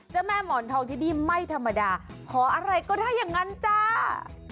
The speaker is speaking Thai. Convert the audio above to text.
เจ้าแม่หมอนทองที่นี่ไม่ธรรมดาขออะไรก็ได้อย่างนั้นจ้า